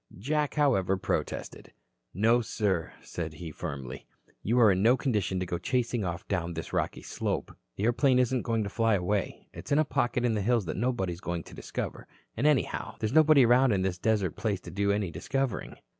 Jack, however, protested. "No, sir," said he firmly, "you are in no condition to go chasing off down this rocky slope. The airplane isn't going to fly away. It's in a pocket in the hills that nobody is going to discover. And, anyhow, there is nobody around in this desert place to do any discovering.